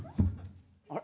あれ？